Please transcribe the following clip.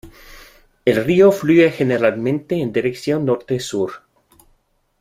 El río fluye generalmente en dirección norte-sur.